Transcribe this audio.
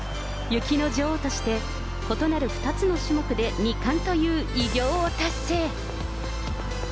雪の女王として異なる２つの種目で２冠という偉業を達成。